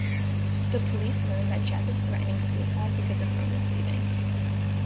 The police learn that Jeph is threatening suicide because of Rona's leaving.